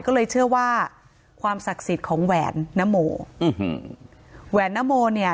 ก็เลยเชื่อว่าความศักดิ์สิทธิ์ของแหวนนโมอื้อหือแหวนนโมเนี่ย